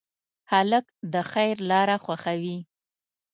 هلک د خیر لاره خوښوي.